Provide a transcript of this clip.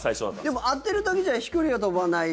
でも当てるだけじゃ飛距離は飛ばない。